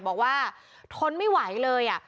บอกว่าทนไม่ไหวเลยอ่ะ